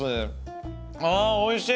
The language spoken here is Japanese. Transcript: あおいしい！